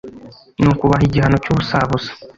Nuko ubaha igihano cy’ubusabusa,